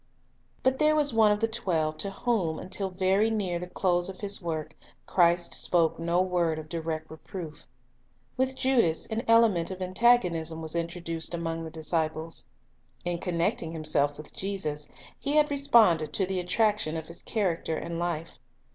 But there was one of the twelve to whom, until very near the close of His work, Christ spoke no word of direct reproof. With Judas an element of antagonism was introduced among the disciples. In connecting himself with Jesus he had responded to the attraction of His character and life.